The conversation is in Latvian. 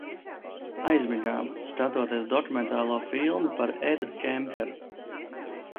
Aizmigām, skatoties dokumentālo filmu par Edu Kemperu.